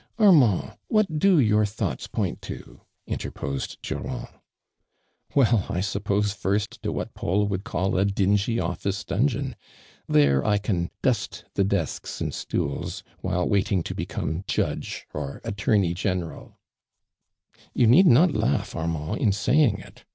" Armand, what do your thouglits point to ?" interposed Durand. " Well, 1 suppose first to what Paul would call a dingy office dungeon. There, I can dust the defekw and stools, whilst wait ing to become jud^e, or attdrney gene rali" " You need not laugh, Arm^irid, in sayiiig it